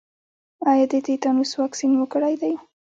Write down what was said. ایا د تیتانوس واکسین مو کړی دی؟